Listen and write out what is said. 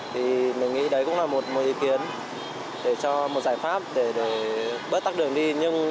thì mình nghĩ đấy cũng là một ý kiến để cho một giải pháp để bớt tắc đường đi